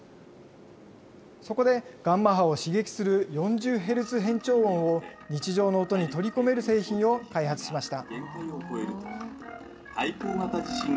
そこでガンマ波を刺激する４０ヘルツ変調音を日常の音に取り込める製品を開発しました。